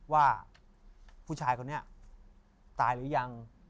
ว่าผู้ชายคนนี้ตายหรือยัง